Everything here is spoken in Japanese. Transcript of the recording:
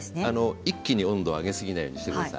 一気に温度を上げすぎないようにしてください。